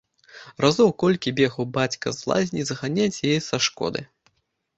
Разоў колькі бегаў бацька з лазні зганяць яе са шкоды.